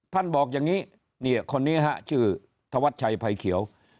ท่านบอกอย่างนี้คนนี้ชื่อธวัชชัยไพรเขียว